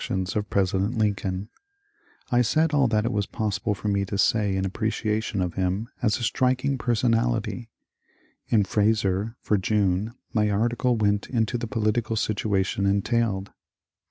ABRAHAM LINCOLN IN CONGRESS 87 of President Lincoln/' I said all that it was possible for me to say in appreciation of him as a striking personality. In ^' Fraser " for June my article went into the political situa tion entailed.